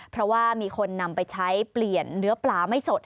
เพราะว่ามีคนนำไปใช้เปลี่ยนเนื้อปลาไม่สด